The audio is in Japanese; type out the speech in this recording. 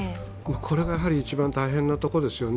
これが一番大変なところですよね。